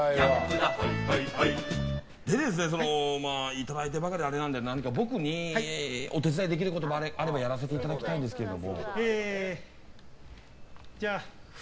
いただいてばかりはあれなので僕にお手伝いできることがあればやらせていただきたいんですけど。